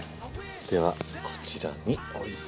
ではこちらにおいて。